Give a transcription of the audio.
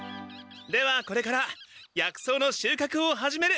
ではこれから薬草のしゅうかくを始める。